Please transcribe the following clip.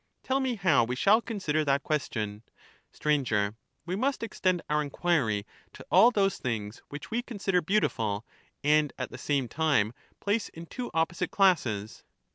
Tell me how we shall consider that question. Stranger. Str, We Hiust extend ouF enquiry to all those things ^SocI^TEs. which we consider beautiful and at the same time place in two opposite classes.